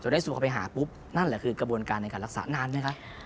ได้สู่เขาไปหาปุ๊บนั่นแหละคือกระบวนการในการรักษานานไหมคะ